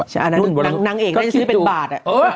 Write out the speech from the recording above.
นางเองก็ซื้อเป็นบาท